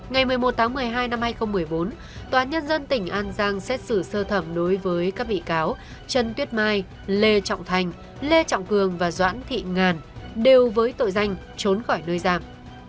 ngày một mươi một tháng một mươi hai năm hai nghìn một mươi bốn tòa nhân dân tỉnh an giang xét xử sơ thẩm đối với các bị cáo trần tuyết mai lê trọng thành lê trọng cường và doãn thị ngàn đều với tội danh trốn khỏi nơi giam